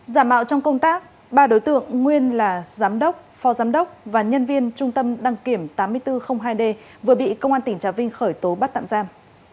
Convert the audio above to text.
giả mạo trong công tác ba đối tượng nguyên là giám đốc phó giám đốc và nhân viên trung tâm đăng kiểm tám nghìn bốn trăm linh hai d vừa bị công an tỉnh trà vinh khởi tố bắt tạm giam